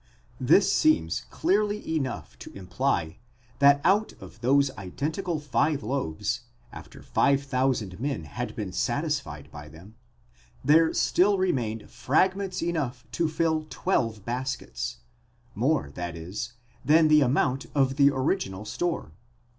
This seems clearly enough to imply that out of those identical five loaves, after five thousand men had been satisfied by them, there still remained fragments enough to fill twelve baskets, —more, that is, than the amount of the original store.